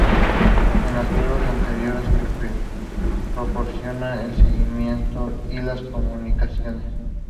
En las pruebas anteriores que proporcionaron el seguimiento y las comunicaciones.